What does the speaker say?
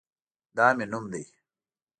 دا مې نوم ده